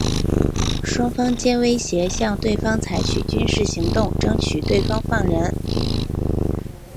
双方皆威胁向对方采取军事行动争取对方放人。